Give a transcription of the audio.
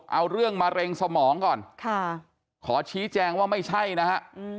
เอาเรื่องมะเร็งสมองก่อนขอชี้แจงว่าไม่ใช่นะฮะ